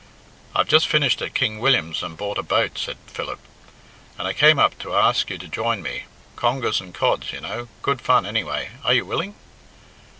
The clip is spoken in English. "I've just finished at King William's and bought a boat," said Philip, "and I came up to ask you to join me congers and cods, you know good fun anyway. Are you willing?"